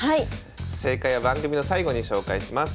正解は番組の最後に紹介します。